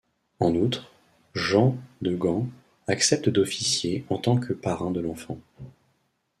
En outre, Jean de Gand accepte d'officier en tant que parrain de l'enfant.